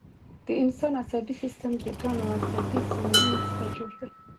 د انسان عصبي سیستم د ګڼو عصبي سلولونو څخه جوړ دی